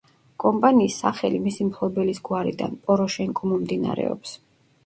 კომპანიის სახელი მისი მფლობელის გვარიდან, პოროშენკო მომდინარეობს.